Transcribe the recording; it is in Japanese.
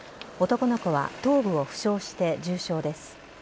男の子は頭部を負傷して重傷です。